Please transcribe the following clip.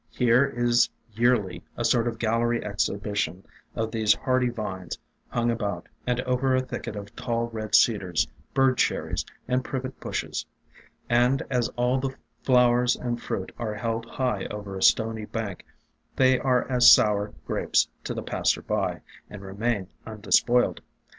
Here is yearly a sort of gallery exhibition of these hardy vines hung about and over a thicket of tall Red Cedars, Bird Cherries, and Privet bushes; and as all the flowers and fruit are held high over a stony bank they are as sour grapes to the passer by, and remain undespoiled.